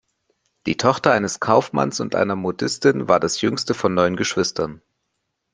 Die Tochter eines Kaufmanns und einer Modistin war das jüngste von neun Geschwistern.